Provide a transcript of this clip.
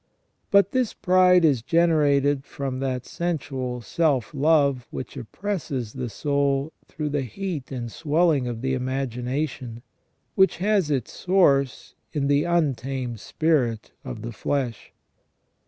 But this pride is generated from that sensual self love which oppresses the soul through the heat and swelling of the imagination, which has its source in the untamed spirit of the flesh.